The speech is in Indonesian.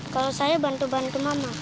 kalau saya bantu bantu mama